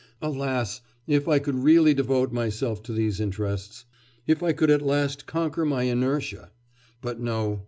Alas! if I could really devote myself to these interests, if I could at last conquer my inertia.... But no!